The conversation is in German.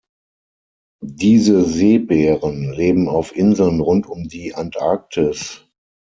Diese Seebären leben auf Inseln rund um die Antarktis.